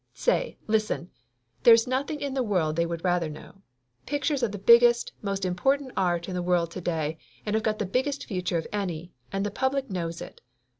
"Say, listen! There's nothing in the world they would rather know. Pictures are the biggest, most important art in the world to day and have got the biggest future of any, and the public knows it.